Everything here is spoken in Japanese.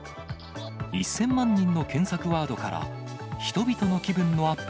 １０００万人の検索ワードから、人々の気分のアップ